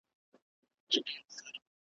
کنه ولي به مي شپه وړلای مخموره .